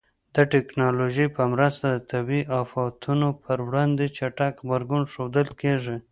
د ټکنالوژۍ په مرسته د طبیعي آفاتونو پر وړاندې چټک غبرګون ښودل کېږي.